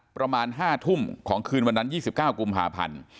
ประมาณ๕ทุ่มของคืนวันนั้น๒๙กุมภาพันธ์